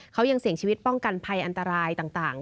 เขายังเสี่ยงชีวิตป้องกันภัยอันตรายต่าง